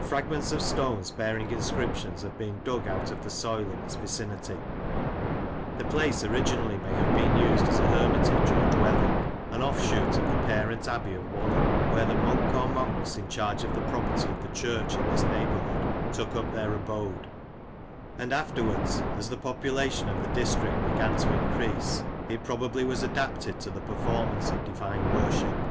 Fragments of stones, bearing inscriptions, have been dug out of the soil in its vicinity. The place originally may have been used as a Hermitage or dwelling — an offshoot of the parent Abbey of Whalley, where the Monk or Monks in charge of the property of the church in this neighbourhood took up their abode \ and afterwards, as the population of the district began to increase, it probably was adapted to the performance of Divine worship.